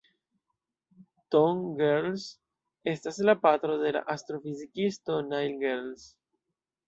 Tom Gehrels estas la patro de la astrofizikisto Neil Gehrels.